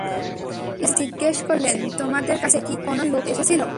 স্ত্রীকে জিজ্ঞেস করলেন, তোমাদের কাছে কি কোন লোক এসেছিল?